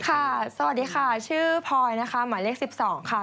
สวัสดีค่ะชื่อพลอยนะคะหมายเลข๑๒ค่ะ